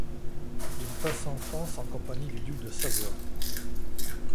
Il passe en France en compagnie du duc de Savoie.